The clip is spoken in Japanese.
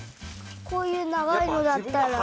こういうながいのだったら。